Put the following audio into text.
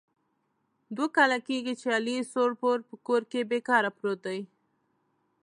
دوه کال کېږي چې علي سوړ پوړ په کور کې بې کاره پروت دی.